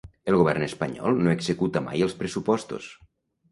El govern espanyol no executa mai els pressupostos